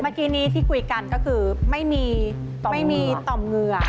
เมื่อกี้นี้ที่คุยกันก็คือไม่มีไม่มีต่อมเหงื่อ